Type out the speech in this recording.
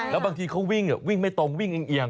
แล้วบางทีเขาวิ่งวิ่งไม่ตรงวิ่งเอียง